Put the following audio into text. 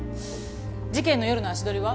事件の夜の足取りは？